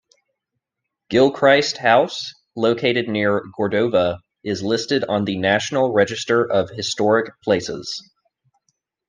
Gilchrist House, located near Cordova, is listed on the National Register of Historic Places.